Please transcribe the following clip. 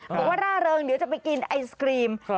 บอกว่าร่าเริงเดี๋ยวจะไปกินไอศครีม